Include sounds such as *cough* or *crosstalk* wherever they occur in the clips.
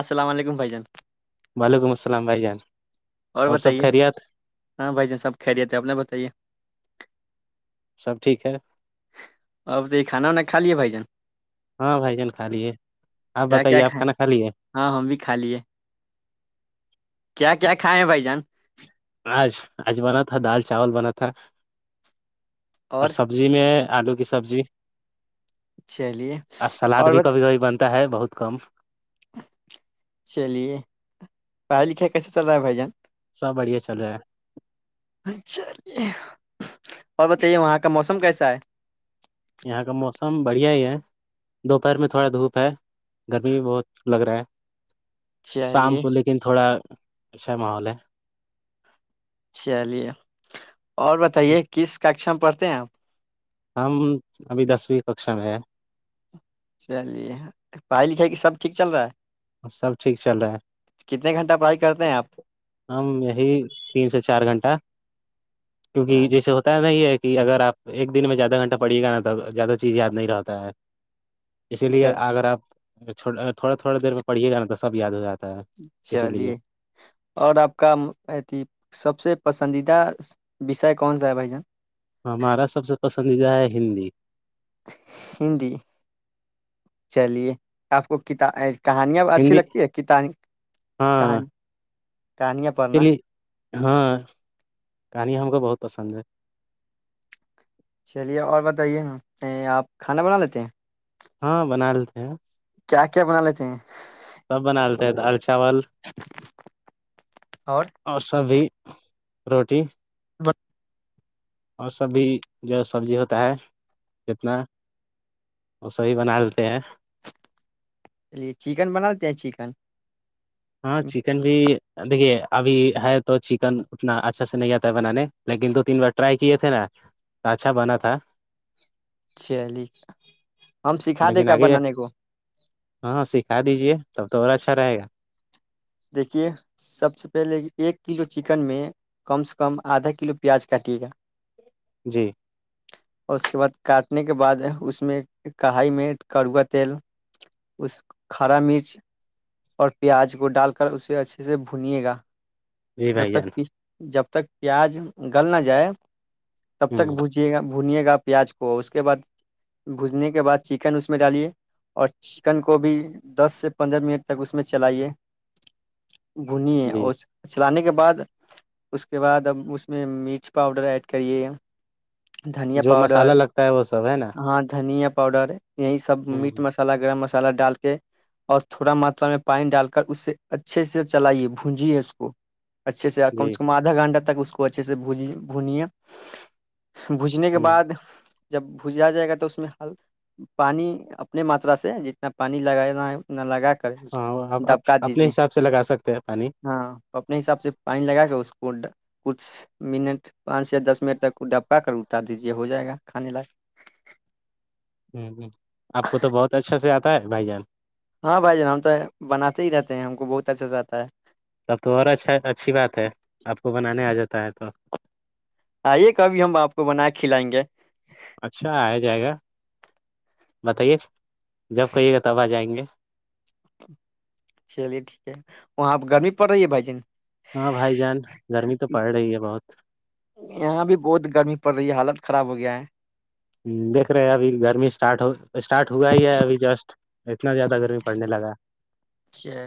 السلام علیکم بھائی جان ‌ *inaudible* اور بتائیے ہاں بھائی جان سب کھہ لیتے اپنا بتائیے سب ٹھیک ہے اب تو یہ کھانا وانا کالیے بھائی جان *unintelligible* ہاں بھائی جان کھا لیے آپ کیا کیا بتائیے آپ کھائیں کھانا کھا لیے ہاں ہم بھی کھا لیے کیا کیا کھائے بھائی جان آج آج بنا تھا دال چاول بنا تھا اور سبزی میں آلو کی سبزی *unintelligible* چلیے سلاد اور بھی بت کبھی کبھی بنتا ہے بہت کم چلیے پڑھ لکھا *inaudible* *inaudible* رہ ہے بھ جان سب بڑھیا چل رہا *inaudible* اور بتائیے وہاں کا موسم کیسے سائے یہاں کا موسم بڑھیا ہی ہے دوپہر میں تھوڑا دھوپ ہے گرمی بھی بہت لگ رہا ہے شام چلیے کو لیکن تھوڑا اچھا مولے *unintelligible* چلیے اور بتائیے کس ککشا پ *unintelligible* ہیں آپ *unintelligible* ہم ابھی دسویں کشا میں ہے چلیے پڑھائی لکھائی کی سب ٹھیک چل رہا ہے سب ٹھیک چل رہا ہے *unintelligible* کتنے گھنٹہ پڑھائی کرتے ہیں آپ *unintelligible* ہم یہی تین سے چار گھنٹہ کیونکہ اچھا جیسے ہوتا ہے نا یہ کہ اگر آپ ایک دن میں زیادہ گھنٹہ پڑھیے گا نا تو زیادہ چیز یاد نہیں رہتا ہے *unintelligible* اسی لیے اگر آپ و تھوڑا تھوڑ دیر پڑھیے گا سب یاد ہو جاتا ہے اسی چلیے لیے *unintelligible* اور آپ کا سب سے پسندیدہ وشے کون سا ہے بھائی جان *unintelligible* ہمارا سب سے پسندیدہ ہے ہندی ہندی چلیے آپ کو کتا کہانیاں اچھی ہندی لگتی ہے کتانی ہاں کہانی کہانیاں اسی پڑھنا لیے ہاں کہانی ہم کو بہت پسند ہے چلیے اور بتائیے ہم آپ کھانا بنا لیتے ہیں ہاں بنا لیتے ہیں کیا کیا بنا لیتے ہیں سب بنا آلتا آل چاول اور سبھی روٹی بس اور سب بھی جو سبزی ہوتا ہے جتنا وہ سبھی بنا لیتے ہیں چلیے چکن بناتے ہیں چکن ہاں چکن بھی دیکھیے ابھی ہے تو چکن اتنا اچھا سے نہیں آتا ہے بنانے لیکن دو تین بار ٹرائی کیے تھے نا اچھا بنا تھا چلیے ہم سکھا دے لیکن گ آگے بنانے کو ہاں سکھا دیجیے تب تو اور اچھا رہے گا دیکھیے سب سے پہلے ایک کلو چکن میں کم سے کم آدھا کلو پیاز کاٹیے گا جی اور اس کے بعد کاٹنے کے بعد اس میں کڑھائی میں کروا تیل اس کرا مرچ اور پیاز کو ڈال کر اسے اچھے سے بھنیے گا جی جب بھائی تک جان پ جب ب تک پیاز گل نہ جائے تب تک ہ پوجے گا بھنیے گا پیاز کو اس کے بعد بھجنے کے بعد چکن اس میں ڈالیے اور چکن کو بھی دس سے پندرہ منٹ تک اس میں چلائیے گھنیی جی اور چلانے کے بعد اس کے بعد اب اس میں مرچ پاؤڈر ایڈ کریے دھنیا جو پاؤڈر مسالہ لگتا ہے وہ سب ہے نا پاؤڈار ہے یہی سب ہ میٹ مسالہ گرم مسہ مالا ڈال کے اور تھوڑا ماترا میں پانی ڈال کر اس سے اچھے سے چلائیے بھونجیے اس کو اچھے سے کم جی کمدھا گنٹہ تک اس کو اچھے سے بج بھنییا بھجنے کے ہ بعد جب بھجا جائے گا تو اس میں پانی اپنے ماترا سے جتنا پانی لگانا ہے اتنا لگا کر اس ہاں کو ڈبکا اپنے دیجیے حساب سے لگا سکتے ہیں پانی ہاں تو اپنے حساب سے پانی لگا کے اس اس کو کچھ منٹ پانچ سےیا دس منٹ تک کو ڈب پا کر اتار دیجے ہو جائے گا کھانے لائ ہوں ہ آپ کو تو بہت اچھا سے آتا ہے بھائی جان ہاں بھائی جان ہم تو بناتے ہی رہتے ہیں ہم کو بہت اچھا سے آتا ہے سب تو اور اچھا اچھی بات ہے آپ کو بنانے آ جاتا ہے تو آئیے کبھی ہم آپ کو بنا کے کھلائیں گے اچھا آیا جائے گا بتائیے جب کہیے گا تب آ جائیں گے چلیے ٹھیک ہے وہاں گرمی پڑ رہی ہے بھائی جن ہاں بھائی جان گرمی تو پڑ رہی ہے بہت پر یہ حالت خراب ہو گیا ہے ہ دیکھ رہے ابھی گرمی اسٹارٹ اسٹارٹ ہوا ہی ہے ابھی جسٹ اتنا زیادہ گرمی پڑنے لگا اچھا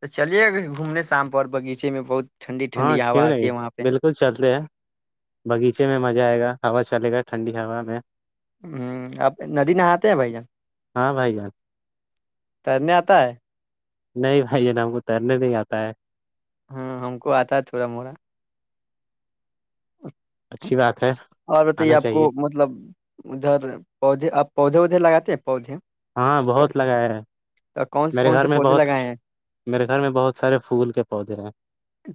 تو چلیے گ گھومنے شام پر بغیچے میں بہت ٹھنڈی ہاں ٹھنڈی ہوا کیوں آتی نہیں ہے وہاں پہ بالکل چلتے ہے باغیچے میں مزہ آئے گا ہوا چلے گا ٹھنڈی ہوا میں ہ اپ ندی نہاتے ہیں بھائی جان ہاں بھائی جان ت نہیں آتا ہے نہیں بھائی نا ہم کو تیرنے نہیں آتا ہے ہاں ہم کو آتا ہے تھوڑا موڑا اچھی بات ہے اور بتے آنا آپ چاہیے کو مطلب ادھر پودے آپ پودے لگاتا ہے پودھیے ہاں بہت لگایا ہے کون سے میرے کون گھر سے میں پودے بہت لگائے ہیں میرے گھر میں بہت سارے پھول کے پودے ہیں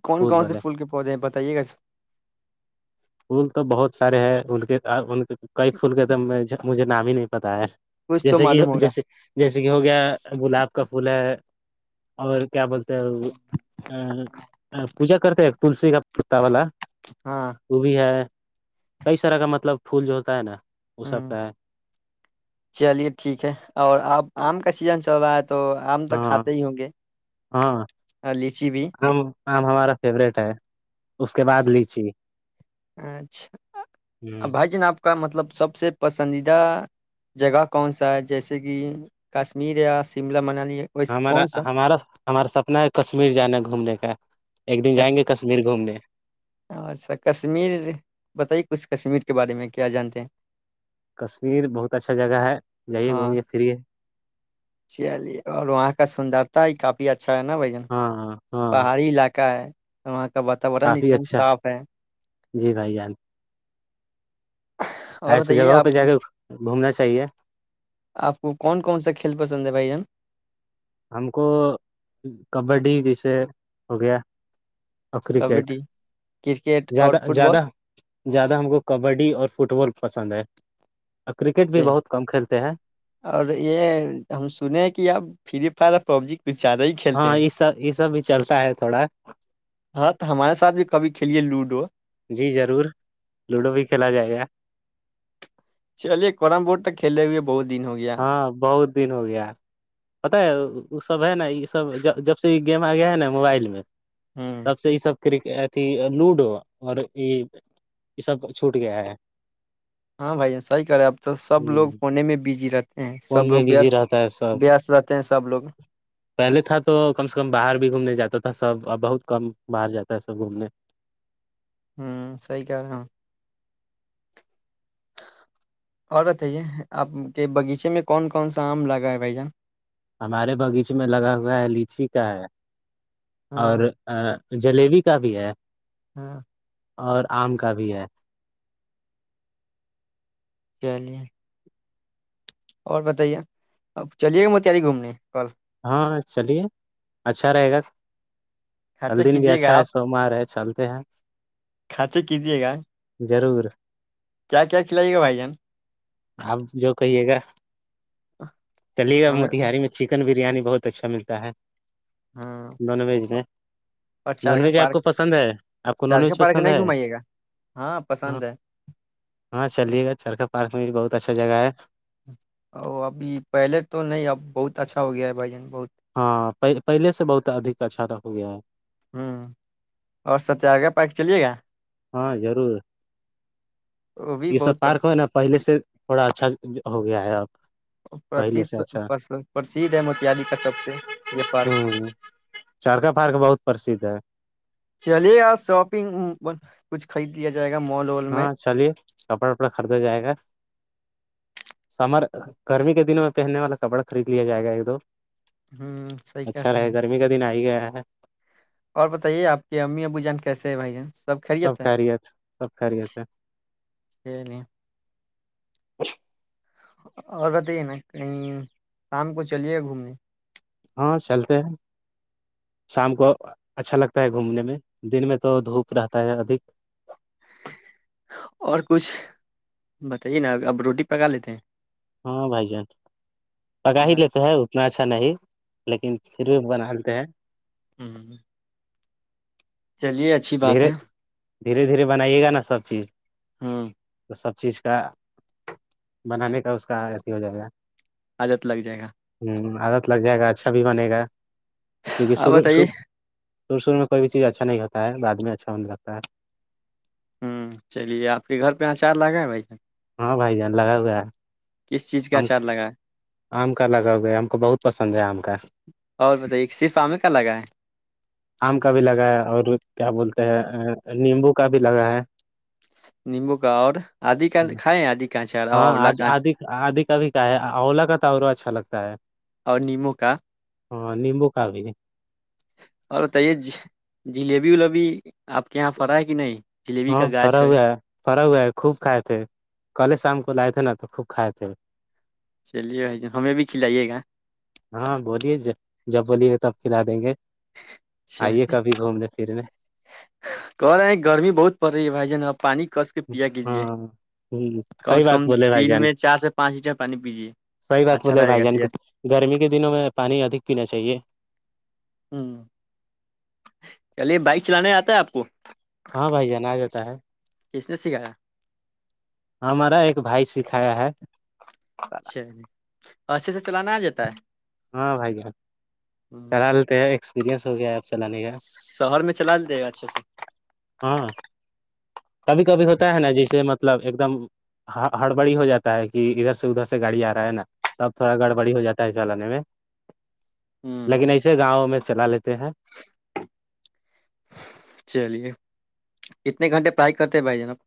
کون پھول کون سے والے کے پودے ہیں بتائیے گا ال تو بہت سارے ہیں ا کے *inaudible* کئی فھول کے تم مجھے نام ہی نہیں پتا ہے کچھ تو جیسے کہ معلوم ہوگا جیسے جیسے کہ ہو گیا گلاب کا پھول ہے اور کیا بولتے ہیں پوجا کرتے ہیں تلسی کا کتا والا ہاں وہ بھی ہے کئی طرح کا مطلب پھول جو ہوتا ہے نا وہ ہ سب کا ہے چلیے ٹھیک ہے اور آپ آم کا سیزن چوات ہاں ہاں اور لیچی بھی آم آم ہمارا فیورورٹ ہے اس کے بعد لیچی ہ اچھا بھائی جان آپ کا مطلب سب سے پسند پسندیدہ جگہ کون سا ہے جیسے کہ کشمیر یا شملہ منالی ویسے ہمارا کون سا ہمارا ہمارا سپنا ہے کشمیر جانا ہے گھومنے کا ایک دن جائیں گے کشمیر گھومنے اچھا کشمیر بتائیے اس کشمیر کے بارے میں کیا جانتے ہیں کشمیر بہت اچھا جگہ ہے جائیے ہاں گھومیے پھریے چلیے اور وہاں کا سندرتا ہی کافی اچھا ہے نا بھ جن ہاں ہاں ہاں پہاڑی علاقے کا وہ کافی اچھا جی بھائی ان اور ایسیے بتائیے جگہوں آپ پہ جا کے گھومنااہ صحیحے آپ کو کون کون سا کھیل پسند ہے بھائی جان ہم کو کبڈی جیسے ہو گیا اور کرکٹ کبڈی کرکٹ اور زیادہ فٹ بال زیادہ زیادہ ہم کو کبڈی اور فٹ بال پسند ہے اور کرکٹ بھی چل بہت کم کھیلتے ہیں اور یہ ہم سنے کہ اب فلپ فائرف پربجک ہاں یہ سب یہ سب چلتا ہے تھوڑا ہاں تو ہمارے ساتھ بھی کبھی کھیلیے لوڈو جی ضرور لوڈو بھی کھیلا جائے گا چلیے کررم بورڈ تک کھیلے ہوئے بہت دن ہو گیا ہاں بہت دن ہو گیا پتا ہے وہ سب ہے نا یہ سب جب جب سے گیم آ گیا ہے نا موبائل میں ہ تب سے یہ سب کرکٹ اھی لوڈو اور یہ یہ سب چھوٹ گیا ہے ہاں بھائی ایسا ہی کر رہے اب تو سب ہ لوگ فونے میں بی فون میں بزی رہتا ہے سب وست رہتے ہیں سب لوگ پہلے تھا تو کم سے کم باہر بھی گھومنے جاتا تھا سب ا بہت کم باہر جاتا ہے سب گھومنے ہ سی کہ رہا ہ اور بتائیے آپ کے باغیچے میں کون کون سا آم لگا ہے بھائی جان ہمارے باغیچے میں لگا ہوا ہے لیچی کا ہے اور ہاں ا جلیبی کا بھی ہے ہاں اور آم کا بھی ہے چلیے اور بتائیے اب چلیے گا موتاری گھومنے کل ہاں چلیے اچھا رہے گا خرچہ کل دن بھی کیجیے اچھا گا ہے آپ سووموار ہے چلتے ہیں خرچہ کیجیے گا ضرور کیا کیا کھلائیے گا بھائی جان آپ جو کہیے گا چلیے گا ہمیں موتاری میں چکن بھی بریانی بہت اچھا ملتا ہے ہاں نان ویج میں اور نان چارخا ویج آپ پارک کو پسند ہے آپ کو نان چارخا ویج پارک پسند نہیں ہے گھمائیے گا ہاں ہ پسند ہے ہاں چلیے گا چرخا پارک میں بھی بہت کسا جگا ہے ا ابھی پہلے تو نہیں اب بہت اچھا ہو گیا ہے بھائی جان بہت ہاں پہ پہلے سے بہت ادھ اچھا ر ہو گیا ہے ہوں اور ستیاگراہ پائک چلیے گا ہاں ضرور وہ بھی یہ سب بہت پارک پس ہو نا پہلے سے تھوڑا اچھا ہو گیا ہے *inaudible* پہلے سے اچھا پرھ پرسھ ہے موتیااریی کا سب سے یہ پارک پرسھ ہے چلیے آ شاپنگ کچھ خرید لیا جائے گا مال وال میں ہاں چلیے کپڑا وپڑا خریدا جائے گا سمر گرمی کے دن میں پہننے والا کپڑا خرید لیا جائے گا ایک دو ہوں صحیح کر اچھا رہے ہیں گرمی کا دن آ ہی گیا ہے ا اور بتائیے آ کی امی ابو جان کیسے ہے بائی چانس سب کیت سب کاریت ہے چلیے *unintelligible* اور بتے نا کہیں شام کو چلیے گھومنے ہاں چلتے ہیں شام کو اچھا لگتا ہے گھومنے میں دن میں تو دھوپ رہتا ہے ادھک اور کچھ بتائیے نا اب روٹی پکا لیتے ہیں ہاں بھائی جان پکا ہی ہاں لیتے ہیں اتنا اچھا اچھا نہیں لیکن پھر بھی بنالتے ہیں *unintelligible* چلیے اچھی بات دھیرے ہے دھیرے دھیرے بنائیے گا نا سب چیز ہاں تو سب چیز کا بنانے کا اس کا اھی ہو جائے گا عجت لگ جائے گا ہ عادت لگ جائے گا اچھا بھی بنے گا جکے آپ سر س بتائیے سور سور میں کوئی بھییز اچھا نہیں ہے تھا بعد میں اچھا ہونے لگتا ہے ہوں چلیے آپ کے گھر پہ اچار لاکگا ہے بھائی ج ہاں بھائی جان لگا ہو گا کس چیز کا اچار لگائ آم کا لگا ہو گیا ہم کو بہت پسند ہے آم کا بائے آم کا بھی لگا ہے اور کیا بولتے ہیں نیمبو کا بھی لگا ہے نمبو کا اور آدھی کا کھائیں آدھی کانچا ہاں اولا آد کانچ آد کا بھی کا ہے اولا کا تورا اچھا لگتا ہے اور نیمبو کا ہاں نمبو کا بھی اور بتائیے جلیبی ولیبی آپ کے یہاں فڑا ہے کہ نہیں جلیبی ہاں کا گاچھ فرا ہویا ہے فرا ہوا ہے خوب کھائے تھے کل شام کو لئے تھے ن تو خوب کائے تھ ہیں چلیے بھائی جان ہمیں بھی کھلائیے گا ہاں بولیے جب بولیے گ تب کھلا دیں گے آئیے چلیے کبھی گھومنے پھرنے کر رہے ہیں گرمی بہت پڑ رہی ہے بھائی جان اب ہاں ہ کم سحی سے بات کم بولے بھائی دن جان میں چار سے پانچ لیٹر پانی پیجیے سحی بات اچھا بولے رہے بھائی گا جان کو صحت گرمی کے دنوں میں پانی ادھ پینا چاہیے ہ چلیے بائک چلانے آتا ہے آپ کو ہاں بھائی جان آ جاتا ہے کس نے سکھایا ہمارا ایک بھائی س کھایا ہے شی اچھے سے چلانا آ جاتا ہے ہاں بھ جان چل لیتے ایک سو پرییاس ہو گپ شہر میں چلا جائے گا اچھے سے ہاں کبھی کبھی ہوتا ہے نا جسے مطلب ایک دم ہڑبڑی ہو جاتا ہے کہ ادھر سے ادھر سے گاڑی آ رہا ہے نا تب تھوڑا گڑبڑی ہو جاتا ہے چلانے میں ہوں لیکن ایسے گاؤں میں چلا لیتے ہیں چلیے کتنے گھنٹے پرائی کرتے ہیں بھائی جانب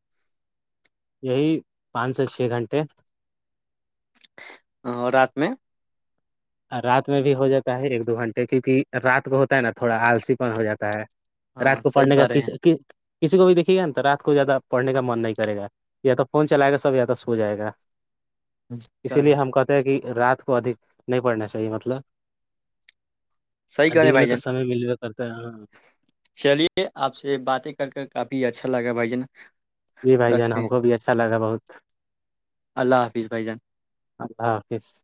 یہی پانچ سے چھ گھنٹے اور رات میں رات میں بھی ہو جاتا ہے ایک دو گھنٹے کیونکہ رات کو ہوتا ہے نا تھوڑا آلسی پن ہو جاتا ہے ہاں رات کو صحیح پڑھنے کا کہ رہے کس ہیں کسی کو بھی دیکھیے گا نا تو رات کو زیادہ پڑنے کا من نہیں کرے گا یا تو فون چلائے گا سب یا تو سو جائے گا کہ اسی رہے لیے ہم کہتے ہیں کہ رات کو ادھ نہیں پڑھنا چاہیے مطلب صحیح کر رہے دن میں بھائی تو جان سمے ملو کرتا ہے ہاں چلیے آپ سے باتیں کر کر کافی اچھا گ گا بائیے نا جی بھائی جان ہم کو بھی اچھا لگا بہت اللہ حافظ بھائی جان اللہ حافظ